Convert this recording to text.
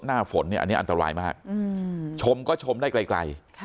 หน้าฝนเนี่ยอันนี้อันตรายมากชมก็ชมได้ไกล